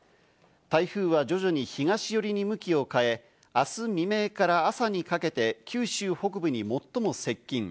台風は徐々に東寄りに向きを変え、明日未明から朝にかけて九州北部に最も接近。